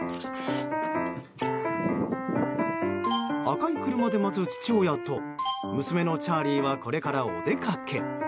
赤い車で待つ父親と娘のチャーリーはこれからお出かけ。